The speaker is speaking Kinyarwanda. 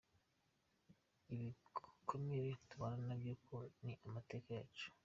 Ibikomere tubana nabyo kuko ni amateka yacu.